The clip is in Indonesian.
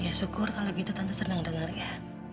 ya syukur kalau gitu tentu senang dengar ya